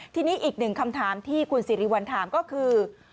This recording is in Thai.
ทีนี้อีกหนึ่งคำถามที่คุณสิริวัลถามก็คือ